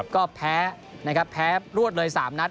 ก็แพ้แพ้รวดเลย๓นัด